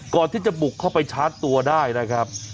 ก่อนที่จะบุกเข้าไปชาร์จตัวได้นะครับ